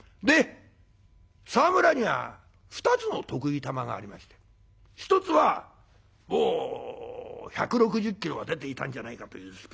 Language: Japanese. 沢村には２つの得意球がありまして一つは１６０キロは出ていたんじゃないかというスピードボール。